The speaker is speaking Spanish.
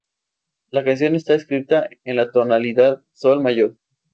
La canción está escrita en la tonalidad "sol" mayor.